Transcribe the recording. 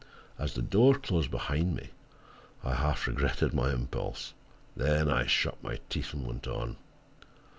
As the door closed behind me I half regretted my impulse; then I shut my teeth and went on.